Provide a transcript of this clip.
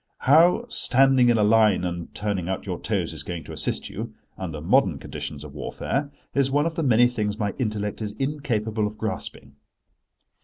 How standing in a line and turning out your toes is going to assist you, under modern conditions of warfare, is one of the many things my intellect is incapable of grasping.